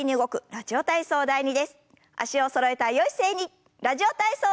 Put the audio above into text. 「ラジオ体操第２」。